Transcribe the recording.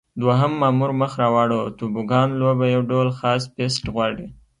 دوهم مامور مخ را واړاوه: توبوګان لوبه یو ډول خاص پېست غواړي.